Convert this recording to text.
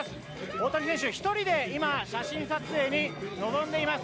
大谷選手、今１人で写真撮影に臨んでいます。